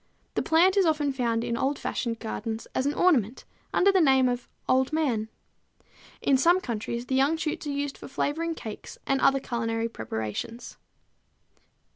The plant is often found in old fashioned gardens as an ornamental under the name of Old Man. In some countries the young shoots are used for flavoring cakes and other culinary preparations.